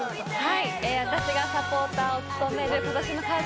私がサポーターを務める今年のカラダ